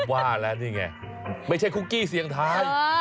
ว่าแล้วนี่ไงไม่ใช่คุกกี้เสียงทาย